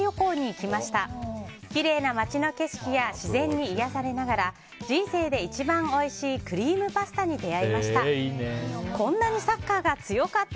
きれいな街の景色や自然に癒やされながら人生で一番おいしいクリームパスタに出会いました。